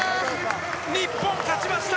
日本、勝ちました！